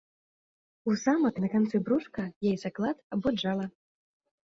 У самак на канцы брушка яйцаклад або джала.